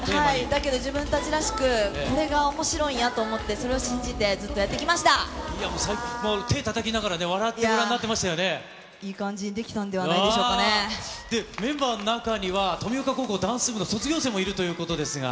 だけど、自分たちらしく、これがおもしろいんやと思って、それを信じて、ずっとやってきまいや、もう、最高、手をたたきながら、いい感じにできたんではないメンバーの中には、登美丘高校ダンス部の卒業生もいるということですが。